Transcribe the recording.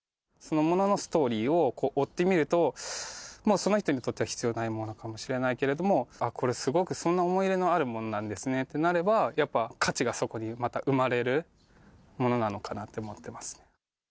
もののストーリーを追ってみると、その人にとっては必要ないものかもしれないけれども、これ、すごく思い入れのあるものなんですねと、やっぱ、価値がそこにまた生まれるものなのかなって思ってます。